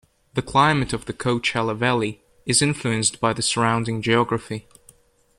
The climate of the Coachella Valley is influenced by the surrounding geography.